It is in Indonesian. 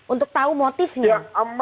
untuk tau motifnya